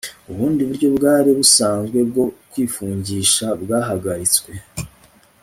ubundi buryo bwari busanzwe bwo kwifungisha bwahagaritswe